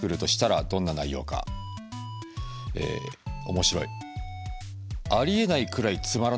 面白い。